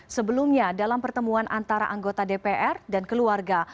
sebelumnya dalam pertemuan antara anggota dpr dan keluarga